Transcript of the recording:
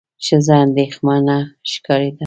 ښځه اندېښمنه ښکارېده.